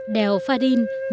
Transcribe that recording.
đèo pha đin